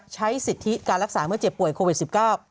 ใช้สิทธิการรักษาเมื่อเจ็บป่วยโควิดสิบเก้า